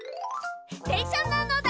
でんしゃなのだ！